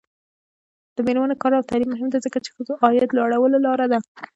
د میرمنو کار او تعلیم مهم دی ځکه چې ښځو عاید لوړولو لاره ده.